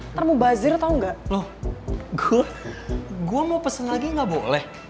ntar mau bazir tau gak